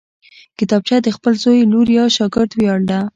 کتابچه د خپل زوی، لور یا شاګرد ویاړ ده